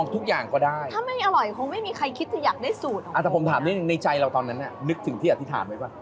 แต่ผมถามในใจเราตอนนั้นนึกถึงที่อธิษฐานไว้ป่ะ